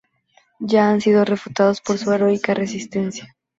Ya han sido refutados por su heroica resistencia